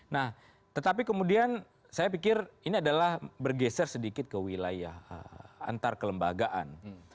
nah tetapi kemudian saya pikir ini adalah bergeser sedikit ke wilayah antar kelembagaan